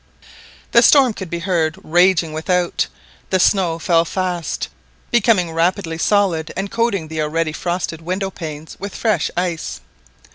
The storm could be heard raging without, the snow fell fast, becoming rapidly solid and coating the already frosted window panes with fresh ice.